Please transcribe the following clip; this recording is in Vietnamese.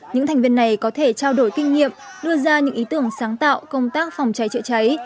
những thành viên này có thể trao đổi kinh nghiệm đưa ra những ý tưởng sáng tạo công tác phòng cháy chữa cháy